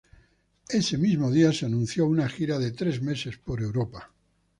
Ese mismo día se anunció una gira de tres meses por Europa.